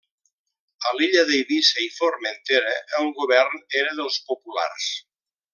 A l'illa d'Eivissa i Formentera, el govern era dels populars.